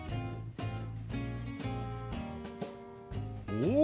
お！